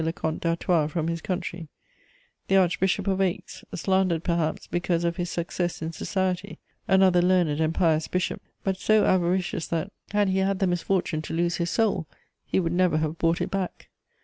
le Comte d'Artois from his country; the Archbishop of Aix, slandered perhaps because of his success in society; another learned and pious bishop, but so avaricious that, had he had the misfortune to lose his soul, he would never have bought it back.